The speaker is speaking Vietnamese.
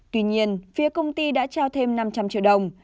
tuy nhiên phía công ty đã trao thêm năm trăm linh triệu đồng